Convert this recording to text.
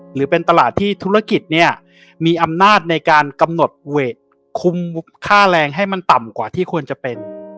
หรือเป็นตลาดที่ธุรกิจเนี่ยมีอำนาจในการกำหนดเวทคุมค่าแรงให้มันต่ำกว่าที่ควรจะเป็น